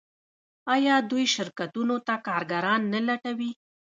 آیا دوی شرکتونو ته کارګران نه لټوي؟